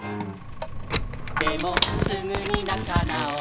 「でもすぐに仲なおり」